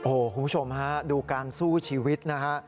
โอ้โหคุณผู้ชมฮะดูการสู้ชีวิตนะฮะ